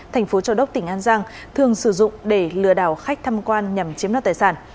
thành phố châu đốc tỉnh an giang thường sử dụng để lừa đảo khách tham quan nhằm chiếm đoạt tài sản